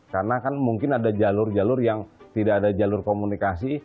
karena kan mungkin ada jalur jalur yang tidak ada jalur komunikasi